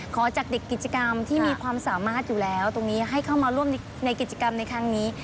ขอจากเด็กกิจกรรมที่มีความสามารถอยู่แล้วตรงนี้ให้เข้ามาร่วมในกิจกรรมในครั้งนี้